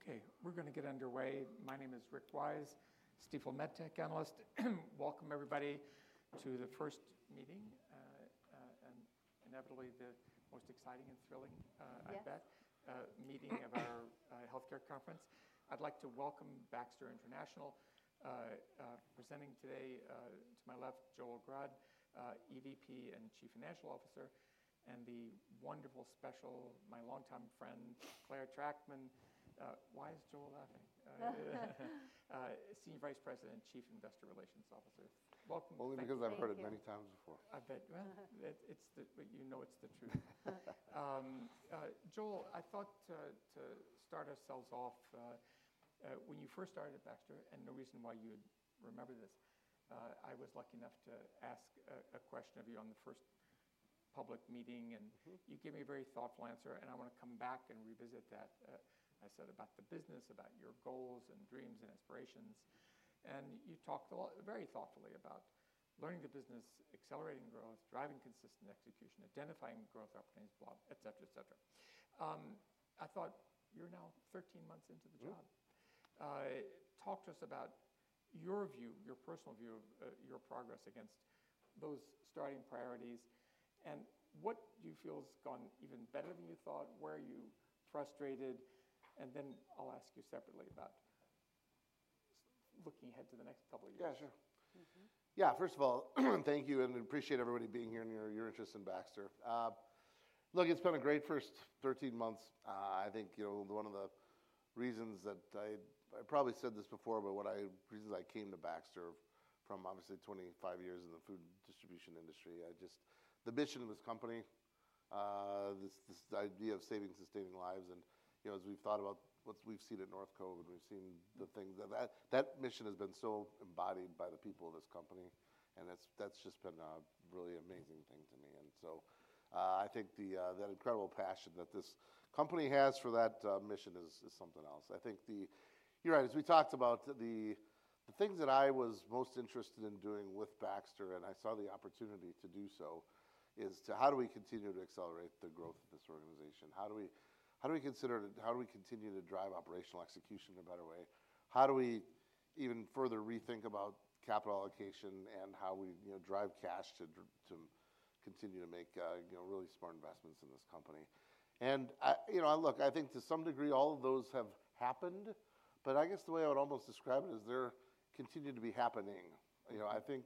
Okay, we're going to get underway. My name is Rick Wise, Stifel MedTech analyst. Welcome, everybody, to the first meeting, and inevitably the most exciting and thrilling, I bet, meeting of our healthcare conference. I'd like to welcome Baxter International, presenting today to my left, Joel Grade, EVP and Chief Financial Officer, and the wonderful special, my longtime friend, Clare Trachtman. Why is Joel laughing? Senior Vice President and Chief Investor Relations Officer. Welcome. Only because I've heard it many times before. I bet. Well, you know it's the truth. Joel, I thought to start ourselves off, when you first started at Baxter, and no reason why you would remember this, I was lucky enough to ask a question of you on the first public meeting, and you gave me a very thoughtful answer, and I want to come back and revisit that. I said about the business, about your goals and dreams and aspirations, and you talked very thoughtfully about learning the business, accelerating growth, driving consistent execution, identifying growth opportunities, et cetera, et cetera. I thought, you're now 13 months into the job. Talk to us about your view, your personal view of your progress against those starting priorities, and what do you feel has gone even better than you thought? Where are you frustrated, and then I'll ask you separately about looking ahead to the next couple of years. Yeah, sure. Yeah, first of all, thank you, and appreciate everybody being here and your interest in Baxter. Look, it's been a great first 13 months. I think one of the reasons that I probably said this before, but the reason I came to Baxter from obviously 25 years in the food distribution industry, I love the mission of this company, this idea of saving and sustaining lives. And as we've thought about what we've seen at North Cove, and we've seen the things that that mission has been so embodied by the people of this company, and that's just been a really amazing thing to me. And so I think that incredible passion that this company has for that mission is something else. I think, you're right, as we talked about the things that I was most interested in doing with Baxter, and I saw the opportunity to do so, is to how do we continue to accelerate the growth of this organization? How do we continue to drive operational execution in a better way? How do we even further rethink about capital allocation and how we drive cash to continue to make really smart investments in this company? And look, I think to some degree all of those have happened, but I guess the way I would almost describe it is they're continued to be happening. I think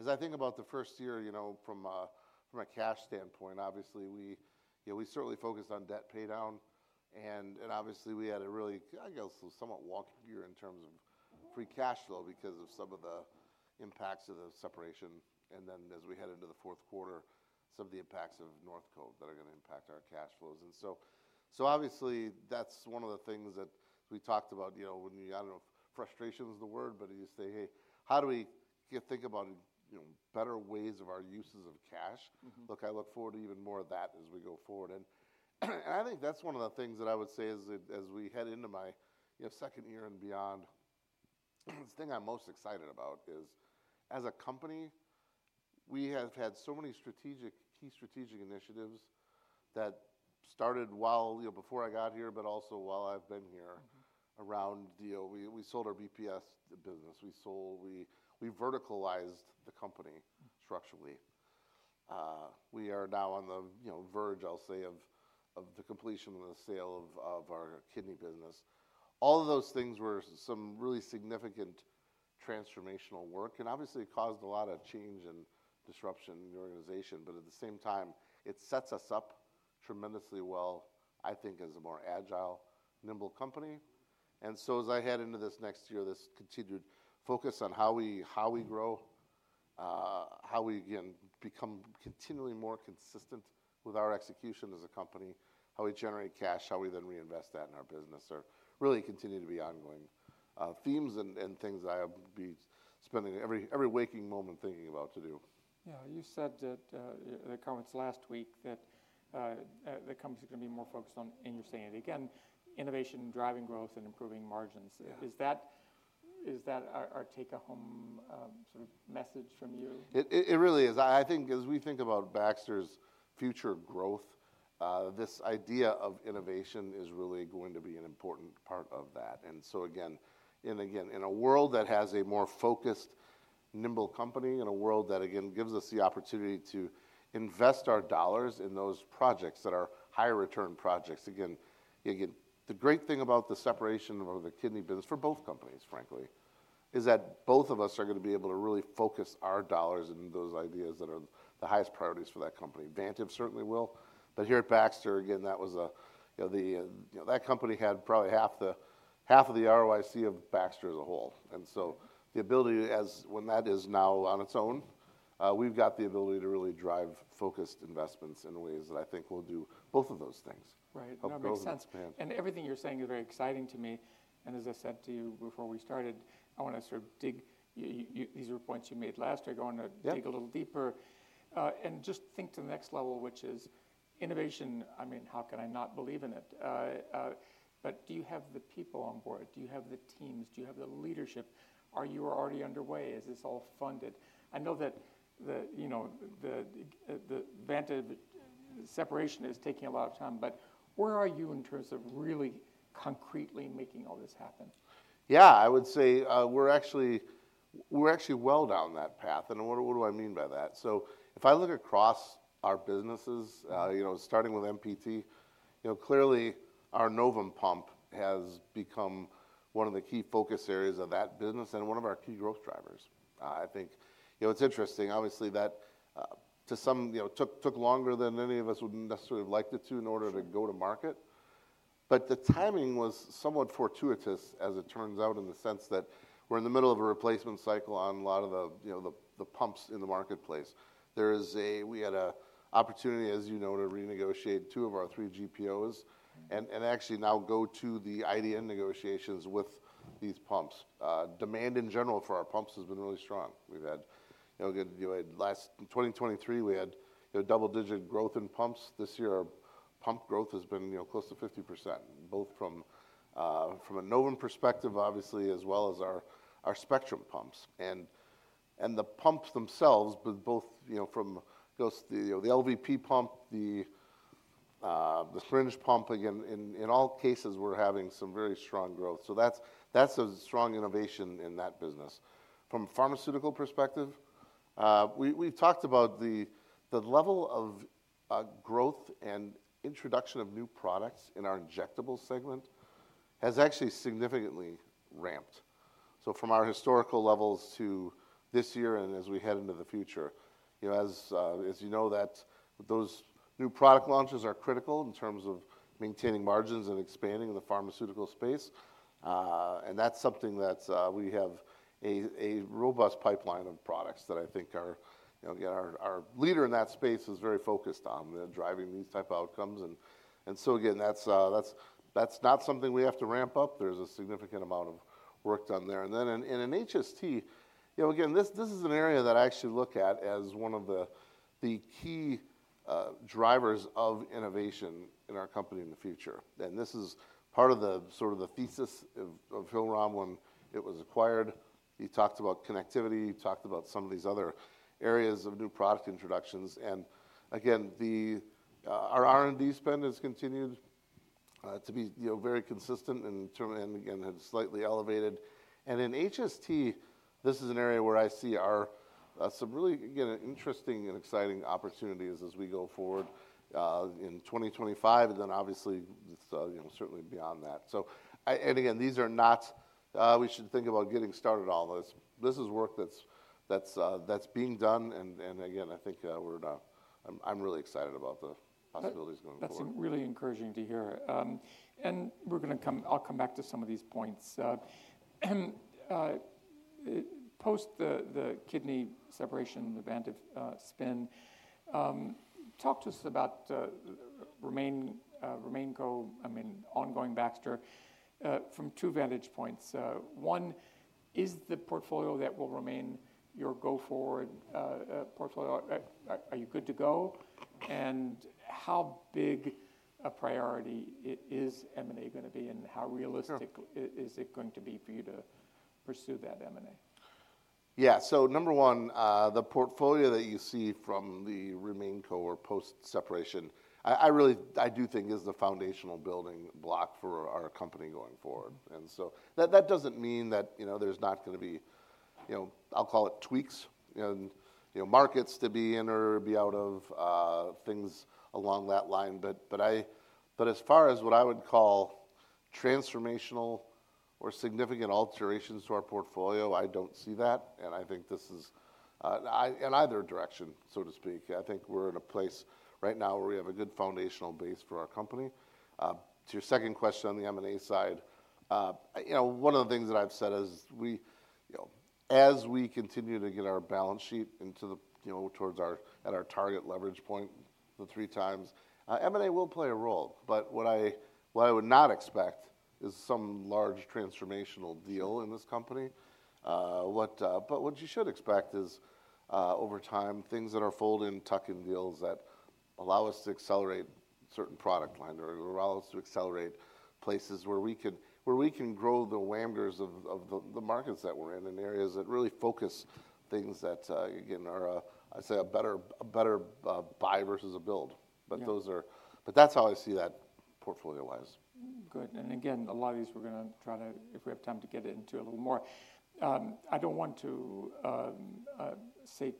as I think about the first year from a cash standpoint, obviously we certainly focused on debt paydown, and obviously we had a really, I guess, somewhat wonky year in terms of free cash flow because of some of the impacts of the separation. And then as we head into the fourth quarter, some of the impacts of North Cove that are going to impact our cash flows. And so obviously that's one of the things that we talked about, when you, I don't know if frustration is the word, but you say, hey, how do we think about better ways of our uses of cash? Look, I look forward to even more of that as we go forward. I think that's one of the things that I would say as we head into my second year and beyond, the thing I'm most excited about is as a company, we have had so many strategic, key strategic initiatives that started even before I got here, but also while I've been here around the deal. We sold our BPS business. We verticalized the company structurally. We are now on the verge, I'll say, of the completion of the sale of our kidney business. All of those things were some really significant transformational work, and obviously it caused a lot of change and disruption in the organization, but at the same time, it sets us up tremendously well, I think, as a more agile, nimble company. And so as I head into this next year, this continued focus on how we grow, how we can become continually more consistent with our execution as a company, how we generate cash, how we then reinvest that in our business, are really continuing to be ongoing themes and things I'll be spending every waking moment thinking about to do. Yeah, you said that the comments last week that the company's going to be more focused on, and you're saying it again, innovation, driving growth, and improving margins. Is that our take-home sort of message from you? It really is. I think as we think about Baxter's future growth, this idea of innovation is really going to be an important part of that. And so again, in a world that has a more focused, nimble company, in a world that again gives us the opportunity to invest our dollars in those projects that are higher return projects. Again, the great thing about the separation of the kidney business for both companies, frankly, is that both of us are going to be able to really focus our dollars in those ideas that are the highest priorities for that company. Vantive certainly will. But here at Baxter, again, that company had probably half the ROIC of Baxter as a whole. And so the ability, when that is now on its own, we've got the ability to really drive focused investments in ways that I think will do both of those things. Right, that makes sense. And everything you're saying is very exciting to me. And as I said to you before we started, I want to sort of dig. These are points you made last. I go on to dig a little deeper and just think to the next level, which is innovation. I mean, how can I not believe in it? But do you have the people on board? Do you have the teams? Do you have the leadership? Are you already underway? Is this all funded? I know that the separation is taking a lot of time, but where are you in terms of really concretely making all this happen? Yeah, I would say we're actually well down that path. And what do I mean by that? So if I look across our businesses, starting with MPT, clearly our Novum pump has become one of the key focus areas of that business and one of our key growth drivers. I think it's interesting, obviously, that to some took longer than any of us would necessarily have liked it to in order to go to market. But the timing was somewhat fortuitous, as it turns out, in the sense that we're in the middle of a replacement cycle on a lot of the pumps in the marketplace. We had an opportunity, as you know, to renegotiate two of our three GPOs and actually now go to the IDN negotiations with these pumps. Demand in general for our pumps has been really strong. We've had in 2023, we had double-digit growth in pumps. This year, our pump growth has been close to 50%, both from a Novum perspective, obviously, as well as our Spectrum pumps, and the pumps themselves, but both from the LVP pump, the syringe pump, again, in all cases, we're having some very strong growth, so that's a strong innovation in that business. From a pharmaceutical perspective, we've talked about the level of growth and introduction of new products in our injectable segment has actually significantly ramped. So from our historical levels to this year and as we head into the future, as you know, those new product launches are critical in terms of maintaining margins and expanding the pharmaceutical space, and that's something that we have a robust pipeline of products that I think our leader in that space is very focused on driving these type of outcomes. And so again, that's not something we have to ramp up. There's a significant amount of work done there. And then in an HST, again, this is an area that I actually look at as one of the key drivers of innovation in our company in the future. And this is part of the sort of the thesis of Hillrom. When it was acquired, he talked about connectivity, talked about some of these other areas of new product introductions. And again, our R&D spend has continued to be very consistent and again, had slightly elevated. And in HST, this is an area where I see some really, again, interesting and exciting opportunities as we go forward in 2025, and then obviously certainly beyond that. And again, these are not we should think about getting started on this. This is work that's being done. Again, I think I'm really excited about the possibilities going forward. That's really encouraging to hear. And we're going to come, I'll come back to some of these points. Post the Kidney separation, the Vantive spin, talk to us about RemainCo, I mean, ongoing Baxter from two vantage points. One, is the portfolio that will remain your go-forward portfolio? Are you good to go? And how big a priority is M&A going to be? And how realistic is it going to be for you to pursue that M&A? Yeah, so number one, the portfolio that you see from the RemainCo or post-separation, I really do think is the foundational building block for our company going forward. And so that doesn't mean that there's not going to be, I'll call it tweaks, markets to be in or be out of, things along that line. But as far as what I would call transformational or significant alterations to our portfolio, I don't see that. And I think this is in either direction, so to speak. I think we're in a place right now where we have a good foundational base for our company. To your second question on the M&A side, one of the things that I've said is as we continue to get our balance sheet towards our target leverage point, the three times, M&A will play a role. But what I would not expect is some large transformational deal in this company. But what you should expect is over time, things that are bolt-on, tuck-in deals that allow us to accelerate certain product lines or allow us to accelerate places where we can grow the borders of the markets that we're in and areas that really focus things that, again, are a better buy versus a build. But that's how I see that portfolio-wise. Good. And again, a lot of these we're going to try to, if we have time to get into a little more. I don't want to say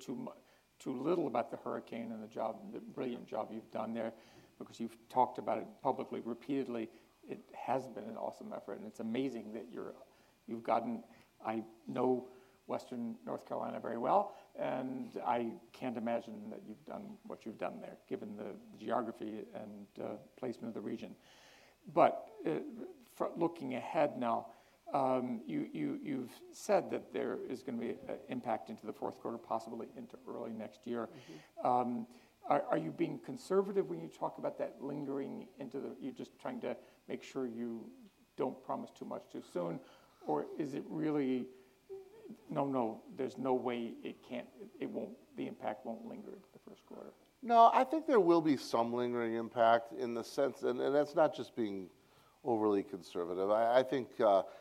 too little about the hurricane and the job, the brilliant job you've done there, because you've talked about it publicly repeatedly. It has been an awesome effort. And it's amazing that you've gotten. I know Western North Carolina very well, and I can't imagine that you've done what you've done there, given the geography and placement of the region. But looking ahead now, you've said that there is going to be an impact into the fourth quarter, possibly into early next year. Are you being conservative when you talk about that lingering into the, you're just trying to make sure you don't promise too much too soon, or is it really, no, no, there's no way it can't, it won't, the impact won't linger into the first quarter? No, I think there will be some lingering impact in the sense, and that's not just being overly conservative. I think,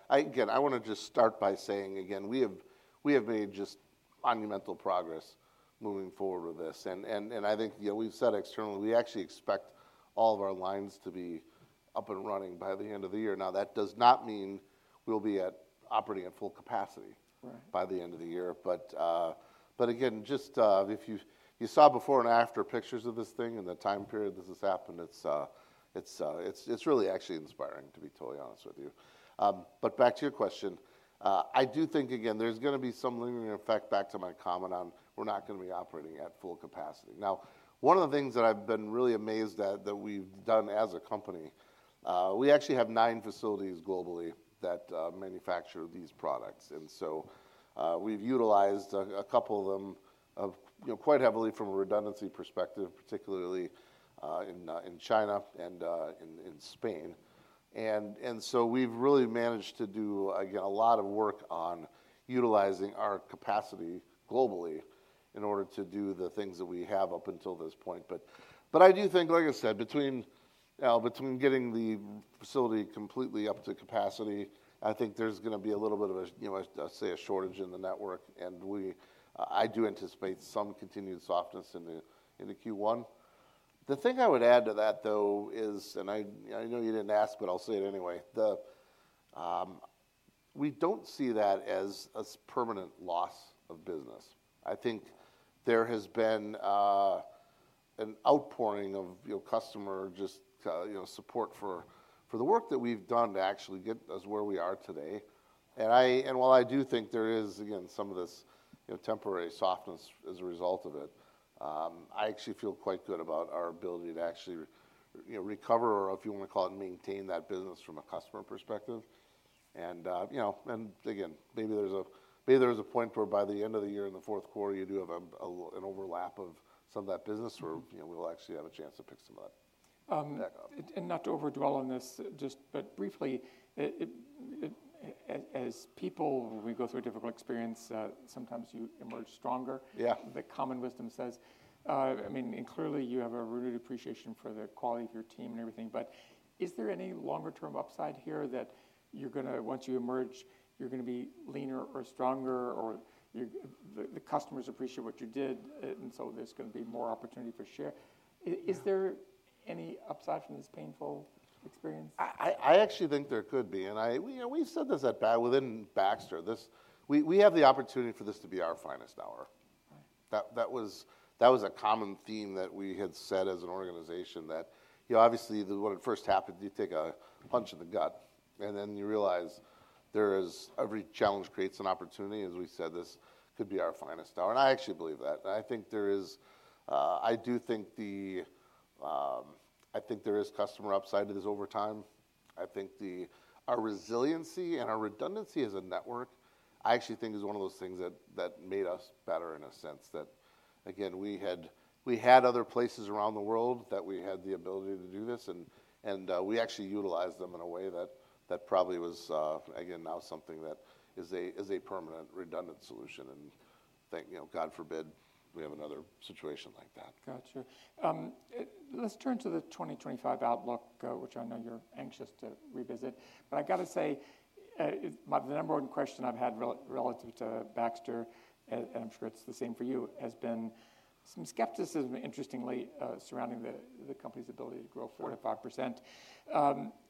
again, I want to just start by saying again, we have made just monumental progress moving forward with this. And I think we've said externally, we actually expect all of our lines to be up and running by the end of the year. Now, that does not mean we'll be operating at full capacity by the end of the year. But again, just if you saw before and after pictures of this thing and the time period this has happened, it's really actually inspiring to be totally honest with you. But back to your question, I do think, again, there's going to be some lingering effect back to my comment on we're not going to be operating at full capacity. Now, one of the things that I've been really amazed at that we've done as a company, we actually have nine facilities globally that manufacture these products, and so we've utilized a couple of them quite heavily from a redundancy perspective, particularly in China and in Spain. And so we've really managed to do, again, a lot of work on utilizing our capacity globally in order to do the things that we have up until this point, but I do think, like I said, between getting the facility completely up to capacity, I think there's going to be a little bit of a, I'll say, a shortage in the network, and I do anticipate some continued softness in the Q1. The thing I would add to that, though, is, and I know you didn't ask, but I'll say it anyway, we don't see that as a permanent loss of business. I think there has been an outpouring of customers' support for the work that we've done to actually get us where we are today. And while I do think there is, again, some of this temporary softness as a result of it, I actually feel quite good about our ability to actually recover or, if you want to call it, maintain that business from a customer perspective. And again, maybe there's a point where by the end of the year in the fourth quarter, you do have an overlap of some of that business where we'll actually have a chance to pick some of that back up. Not to overdwell on this, just but briefly, as people, when we go through a difficult experience, sometimes you emerge stronger. The common wisdom says, I mean, and clearly you have a renewed appreciation for the quality of your team and everything. But is there any longer-term upside here that you're going to, once you emerge, you're going to be leaner or stronger or the customers appreciate what you did, and so there's going to be more opportunity for share? Is there any upside from this painful experience? I actually think there could be, and we've said this at Baxter, we have the opportunity for this to be our finest hour. That was a common theme that we had said as an organization that obviously when it first happened, you take a punch in the gut and then you realize every challenge creates an opportunity. As we said, this could be our finest hour, and I actually believe that. I think there is customer upside to this over time. I think our resiliency and our redundancy as a network, I actually think is one of those things that made us better in a sense that, again, we had other places around the world that we had the ability to do this. We actually utilized them in a way that probably was, again, now something that is a permanent redundant solution. God forbid we have another situation like that. Gotcha. Let's turn to the 2025 outlook, which I know you're anxious to revisit. But I've got to say, the number one question I've had relative to Baxter, and I'm sure it's the same for you, has been some skepticism, interestingly, surrounding the company's ability to grow 4%-5%.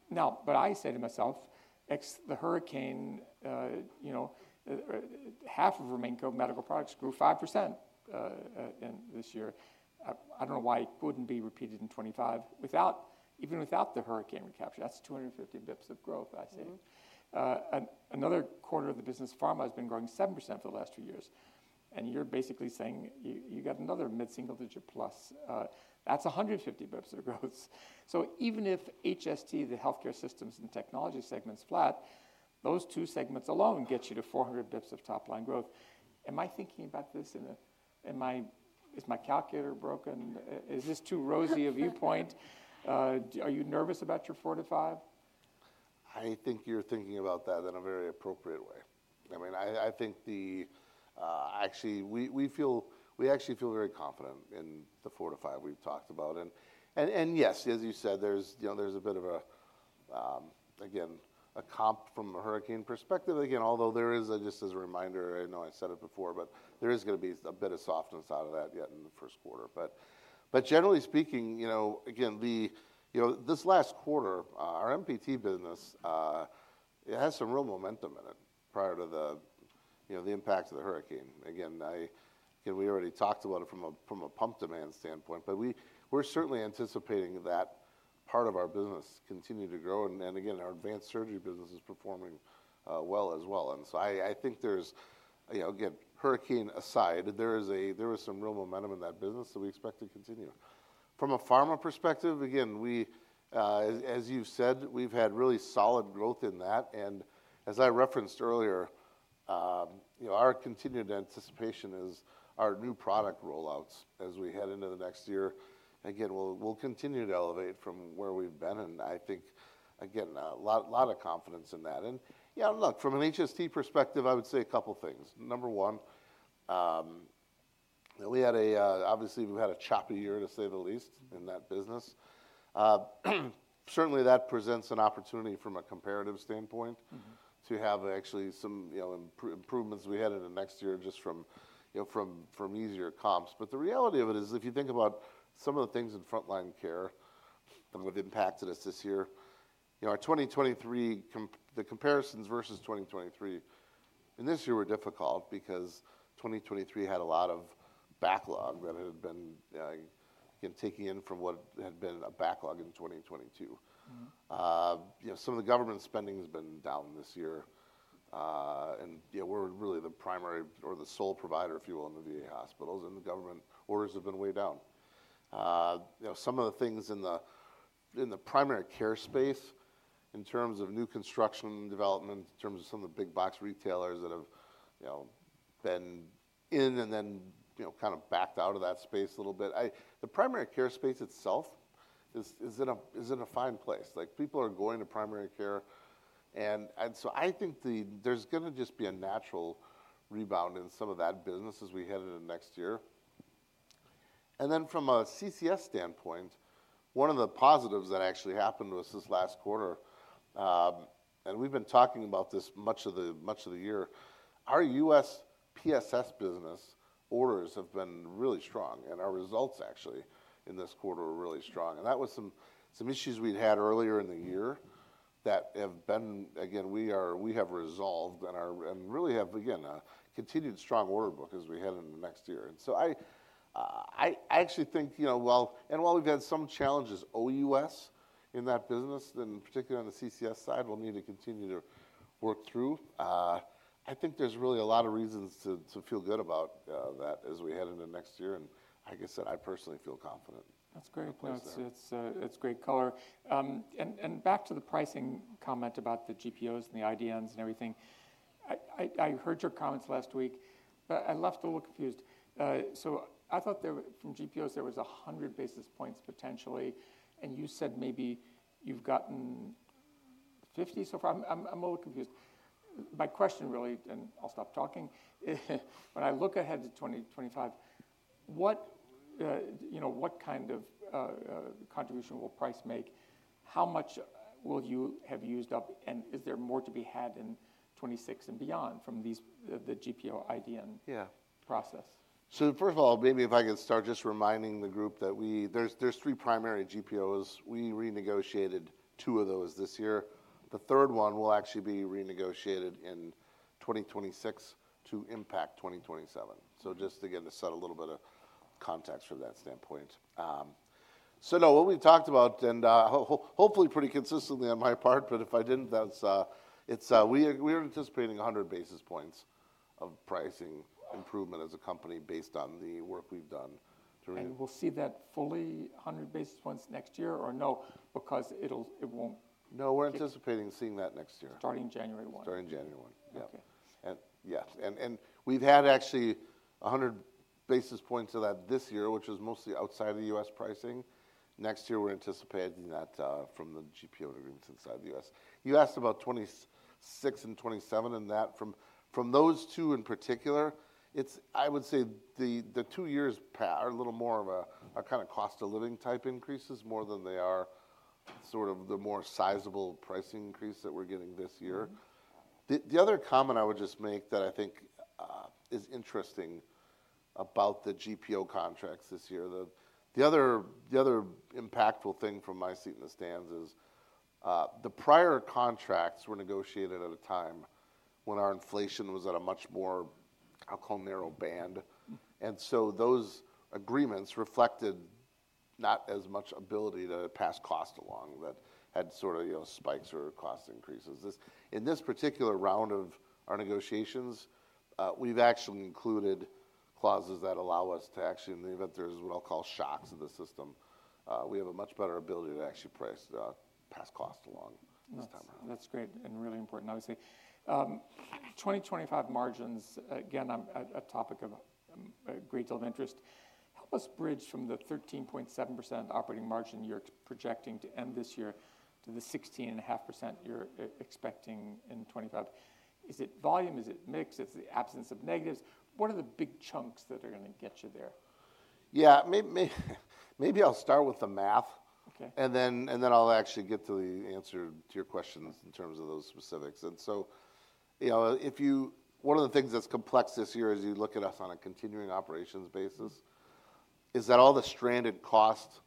Now, but I say to myself, the hurricane, half of RemainCo medical products grew 5% this year. I don't know why it wouldn't be repeated in 2025 without, even without the hurricane recapture. That's 250 basis points of growth, I see. Another quarter of the business, pharma, has been growing 7% for the last two years. And you're basically saying you got another mid-single digit plus. That's 150 basis points of growth. Even if HST, the healthcare systems and technologies segments, flat, those two segments alone get you to 400 basis points of top-line growth. Am I thinking about this? Is my calculator broken? Is this too rosy a viewpoint? Are you nervous about your 4%-5%? I think you're thinking about that in a very appropriate way. I mean, I think the, actually, we actually feel very confident in the 4%-5% we've talked about. And yes, as you said, there's a bit of a, again, a comp from a hurricane perspective. Again, although there is, just as a reminder, I know I said it before, but there is going to be a bit of softness out of that yet in the first quarter. But generally speaking, again, this last quarter, our MPT business, it has some real momentum in it prior to the impact of the hurricane. Again, we already talked about it from a pump demand standpoint, but we're certainly anticipating that part of our business continue to grow. And again, our Advanced Surgery business is performing well as well. And so I think there's, again, hurricane aside, there was some real momentum in that business that we expect to continue. From a pharma perspective, again, as you've said, we've had really solid growth in that. And as I referenced earlier, our continued anticipation is our new product rollouts as we head into the next year. Again, we'll continue to elevate from where we've been. And I think, again, a lot of confidence in that. And yeah, look, from an HST perspective, I would say a couple of things. Number one, we had, obviously, we've had a choppy year, to say the least, in that business. Certainly, that presents an opportunity from a comparative standpoint to have actually some improvements we had in the next year just from easier comps. But the reality of it is, if you think about some of the things in Front Line Care that have impacted us this year, our 2023, the comparisons versus 2023 and this year were difficult because 2023 had a lot of backlog that had been, again, taking in from what had been a backlog in 2022. Some of the government spending has been down this year. And we're really the primary or the sole provider, if you will, in the VA hospitals. And the government orders have been way down. Some of the things in the primary care space, in terms of new construction development, in terms of some of the big box retailers that have been in and then kind of backed out of that space a little bit, the primary care space itself is in a fine place. People are going to primary care. And so I think there's going to just be a natural rebound in some of that business as we head into next year. And then from a CCS standpoint, one of the positives that actually happened to us this last quarter, and we've been talking about this much of the year, our US PSS business orders have been really strong. And our results actually in this quarter were really strong. And that was some issues we'd had earlier in the year that have been, again, we have resolved and really have, again, continued strong order book as we head into next year. And so I actually think, and while we've had some challenges O.U.S. in that business, and particularly on the CCS side, we'll need to continue to work through. I think there's really a lot of reasons to feel good about that as we head into next year. Like I said, I personally feel confident. That's great place. It's great color, and back to the pricing comment about the GPOs and the IDNs and everything. I heard your comments last week, but I left a little confused, so I thought from GPOs, there was 100 basis points potentially, and you said maybe you've gotten 50 so far. I'm a little confused. My question really, and I'll stop talking: when I look ahead to 2025, what kind of contribution will price make? How much will you have used up, and is there more to be had in 2026 and beyond from the GPO IDN process? So first of all, maybe if I could start just reminding the group that there's three primary GPOs. We renegotiated two of those this year. The third one will actually be renegotiated in 2026 to impact 2027. So just to get a sense of a little bit of context from that standpoint. So no, what we've talked about, and hopefully pretty consistently on my part, but if I didn't, we are anticipating 100 basis points of pricing improvement as a company based on the work we've done to. We'll see that fully 100 basis points next year or no? Because it won't. No, we're anticipating seeing that next year. Starting January 1. Starting January 1. Yeah. And yeah, and we've had actually 100 basis points of that this year, which was mostly outside of the U.S. pricing. Next year, we're anticipating that from the GPO agreements inside the U.S. You asked about 2026 and 2027 and that from those two in particular, I would say the two years are a little more of a kind of cost of living type increases more than they are sort of the more sizable pricing increase that we're getting this year. The other comment I would just make that I think is interesting about the GPO contracts this year, the other impactful thing from my seat in the stands is the prior contracts were negotiated at a time when our inflation was at a much more, I'll call narrow band. Those agreements reflected not as much ability to pass cost along that had sort of spikes or cost increases. In this particular round of our negotiations, we've actually included clauses that allow us to actually, in the event there's what I'll call shocks of the system, we have a much better ability to actually price pass cost along this time around. That's great and really important, obviously. 2025 margins, again, a topic of great deal of interest. Help us bridge from the 13.7% operating margin you're projecting to end this year to the 16.5% you're expecting in 2025. Is it volume? Is it mix? Is it the absence of negatives? What are the big chunks that are going to get you there? Yeah, maybe I'll start with the math. And then I'll actually get to the answer to your questions in terms of those specifics. And so one of the things that's complex this year as you look at us on a continuing operations basis is that all the stranded cost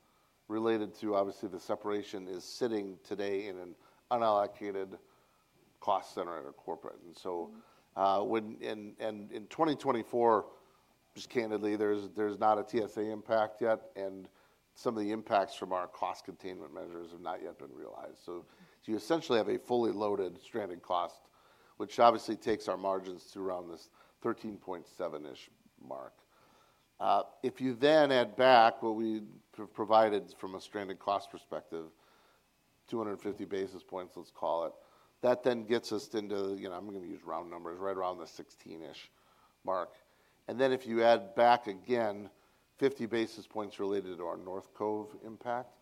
related to obviously the separation is sitting today in an unallocated cost center at a corporate. And so in 2024, just candidly, there's not a TSA impact yet. And some of the impacts from our cost containment measures have not yet been realized. So you essentially have a fully loaded stranded cost, which obviously takes our margins to around this 13.7%-ish mark. If you then add back what we've provided from a stranded cost perspective, 250 basis points, let's call it, that then gets us into, I'm going to use round numbers, right around the 16%-ish mark. And then if you add back again, 50 basis points related to our North Cove impact,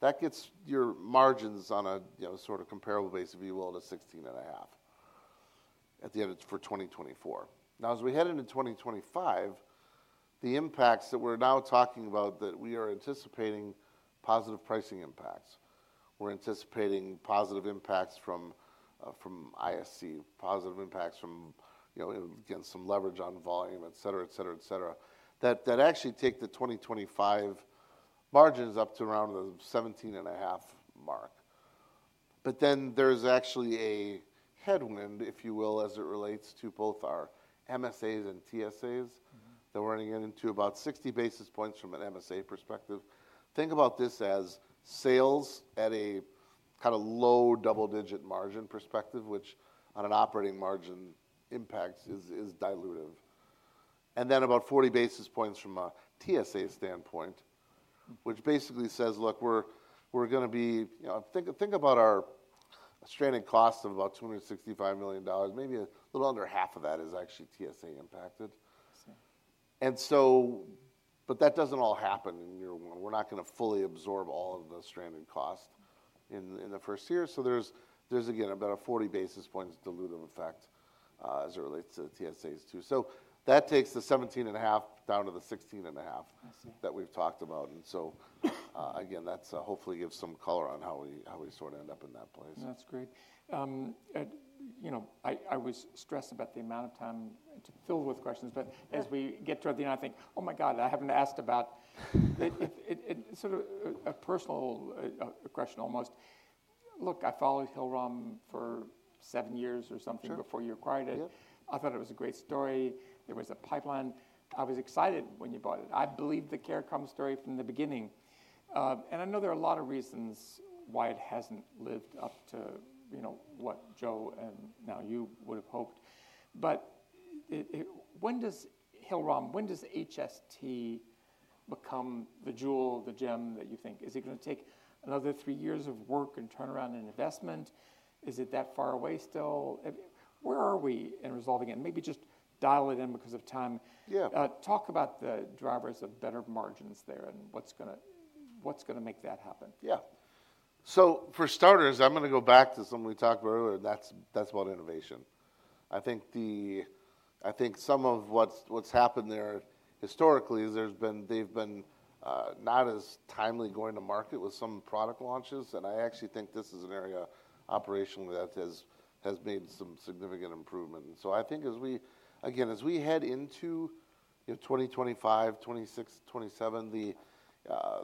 that gets your margins on a sort of comparable basis, if you will, to 16.5 at the end for 2024. Now, as we head into 2025, the impacts that we're now talking about that we are anticipating positive pricing impacts. We're anticipating positive impacts from ISC, positive impacts from, again, some leverage on volume, et cetera, et cetera, et cetera. That actually take the 2025 margins up to around the 17.5 mark. But then there's actually a headwind, if you will, as it relates to both our MSAs and TSAs that we're running into about 60 basis points from an MSA perspective. Think about this as sales at a kind of low double-digit margin perspective, which on an operating margin impact is dilutive. And then about 40 basis points from a TSA standpoint, which basically says, look, we're going to be, think about our stranded cost of about $265 million. Maybe a little under half of that is actually TSA impacted. And so, but that doesn't all happen in year one. We're not going to fully absorb all of the stranded cost in the first year. So there's, again, about a 40 basis points dilutive effect as it relates to TSAs too. So that takes the 17.5% down to the 16.5% that we've talked about. And so again, that's hopefully gives some color on how we sort of end up in that place. That's great. I was stressed about the amount of time filled with questions, but as we get toward the end, I think, oh my God, I haven't asked about it. Sort of a personal question almost. Look, I followed Hillrom for seven years or something before you acquired it. I thought it was a great story. There was a pipeline. I was excited when you bought it. I believed the Care Comm story from the beginning. And I know there are a lot of reasons why it hasn't lived up to what Joe and now you would have hoped. But when does Hillrom, when does HST become the jewel, the gem that you think? Is it going to take another three years of work and turnaround and investment? Is it that far away still? Where are we in resolving it? And maybe just dial it in because of time. Talk about the drivers of better margins there and what's going to make that happen. Yeah. So for starters, I'm going to go back to something we talked about earlier. That's about innovation. I think some of what's happened there historically is they've been not as timely going to market with some product launches. And I actually think this is an area operationally that has made some significant improvement. And so I think as we, again, as we head into 2025, 2026, 2027,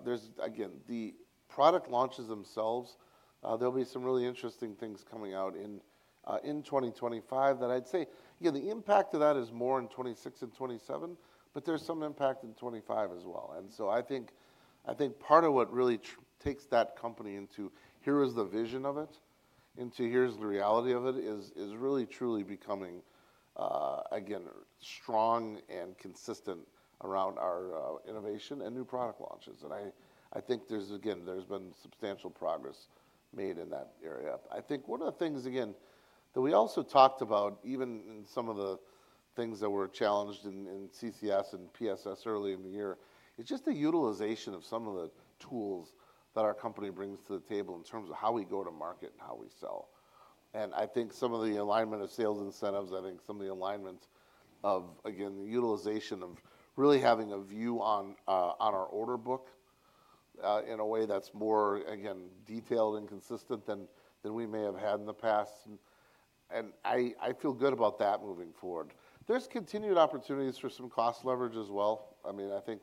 there's again, the product launches themselves, there'll be some really interesting things coming out in 2025 that I'd say, yeah, the impact of that is more in 2026 and 2027, but there's some impact in 2025 as well. And so I think part of what really takes that company into, here is the vision of it, into here's the reality of it, is really truly becoming, again, strong and consistent around our innovation and new product launches. I think there's, again, there's been substantial progress made in that area. I think one of the things, again, that we also talked about, even in some of the things that were challenged in CCS and PSS early in the year, is just the utilization of some of the tools that our company brings to the table in terms of how we go to market and how we sell. I think some of the alignment of sales incentives, I think some of the alignment of, again, the utilization of really having a view on our order book in a way that's more, again, detailed and consistent than we may have had in the past. I feel good about that moving forward. There's continued opportunities for some cost leverage as well. I mean, I think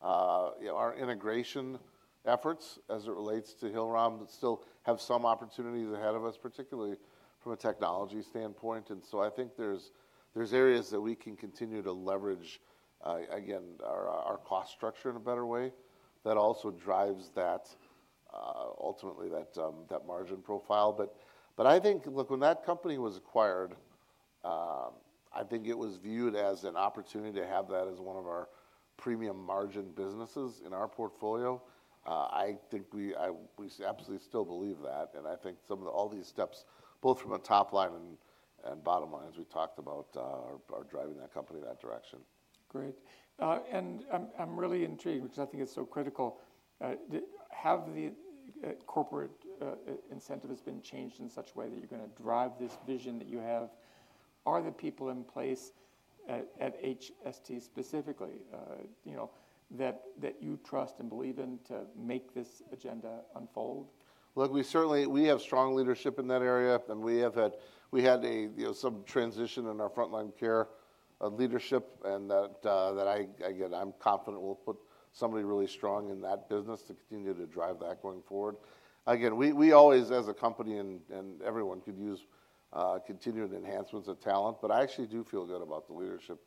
our integration efforts as it relates to Hillrom still have some opportunities ahead of us, particularly from a technology standpoint. So I think there's areas that we can continue to leverage, again, our cost structure in a better way that also drives ultimately that margin profile. But I think, look, when that company was acquired, I think it was viewed as an opportunity to have that as one of our premium margin businesses in our portfolio. I think we absolutely still believe that. Some of all these steps, both from a top line and bottom line, as we talked about, are driving that company in that direction. Great. And I'm really intrigued because I think it's so critical. Have the corporate incentives been changed in such a way that you're going to drive this vision that you have? Are the people in place at HST specifically that you trust and believe in to make this agenda unfold? Look, we have strong leadership in that area. And we had some transition in our frontline care leadership. And that, again, I'm confident we'll put somebody really strong in that business to continue to drive that going forward. Again, we always, as a company and everyone could use continued enhancements of talent. But I actually do feel good about the leadership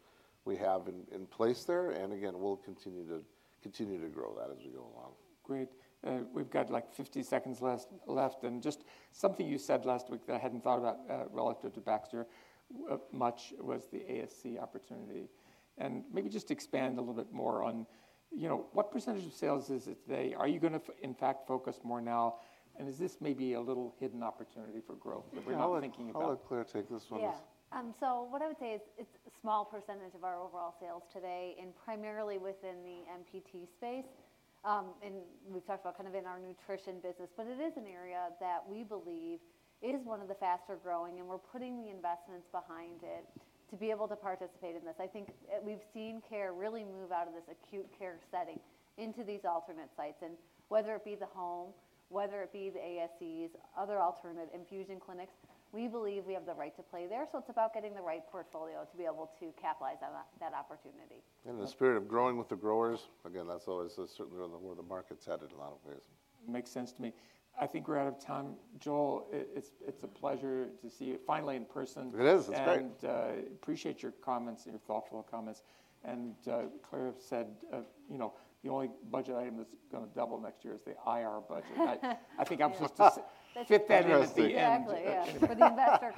we have in place there. And again, we'll continue to grow that as we go along. Great. We've got like 50 seconds left, and just something you said last week that I hadn't thought about relative to Baxter much was the ASC opportunity, and maybe just to expand a little bit more on what percentage of sales is it today? Are you going to, in fact, focus more now, and is this maybe a little hidden opportunity for growth that we're not thinking about? I'll let Clare take this one. Yeah. So what I would say is it's a small percentage of our overall sales today and primarily within the MPT space. And we've talked about kind of in our nutrition business, but it is an area that we believe is one of the faster growing. And we're putting the investments behind it to be able to participate in this. I think we've seen care really move out of this acute care setting into these alternate sites. And whether it be the home, whether it be the ASCs, other alternative infusion clinics, we believe we have the right to play there. So it's about getting the right portfolio to be able to capitalize on that opportunity. And in the spirit of growing with the growers, again, that's always certainly where the market's headed in a lot of ways. Makes sense to me. I think we're out of time. Joel, it's a pleasure to see you finally in person. It is. It's great. I appreciate your comments and your thoughtful comments. Clare said the only budget item that's going to double next year is the IR budget. I think I'm supposed to fit that in at the end. Exactly. For the investor.